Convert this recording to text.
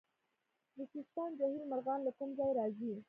د سیستان جهیل مرغان له کوم ځای راځي؟